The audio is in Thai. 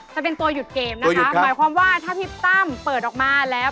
จะเป็นตัวหยุดเกมนะคะหมายความว่าถ้าพี่ตั้มเปิดออกมาแล้ว